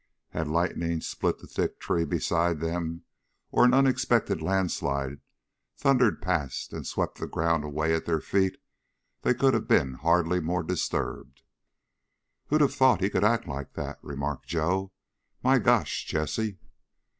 Had lightning split a thick tree beside them, or an unexpected landslide thundered past and swept the ground away at their feet, they could have been hardly more disturbed. "Who'd of thought he could act like that!" remarked Joe. "My gosh, Jessie!"